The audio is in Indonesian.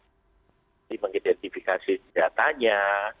jadi mengidentifikasi senjatanya